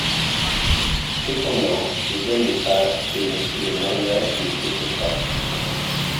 Cependant, les années passent et le mariage ne se fait pas.